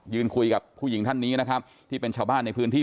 คุยกับผู้หญิงท่านนี้นะครับที่เป็นชาวบ้านในพื้นที่